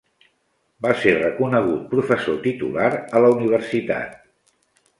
Va ser reconegut professor titular a la universitat.